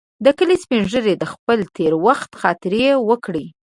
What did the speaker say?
د کلي سپین ږیري د خپل تېر وخت خاطرې وکړې.